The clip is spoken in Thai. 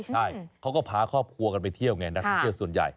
ใช่เขาก็พาครอบครัวกันไปเที่ยวไงนักท่องเที่ยวส่วนใหญ่